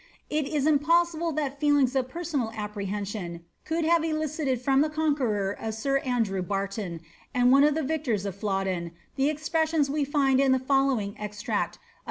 It is impossible that feelings of personal apprehension could have elicited from the conqueror of sir Andrew Barton, and one of the victors of Flodden, the expressions we find in the following extract of K A T II A R I N E II O \V A R D .